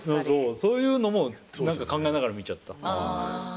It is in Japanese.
そういうのも何か考えながら見ちゃった。